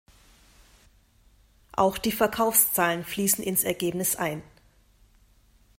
Auch die Verkaufszahlen fliessen ins Ergebnis ein.